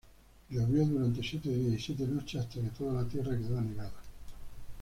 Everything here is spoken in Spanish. Llovió durante siete días y siete noches hasta que toda la tierra quedó anegada.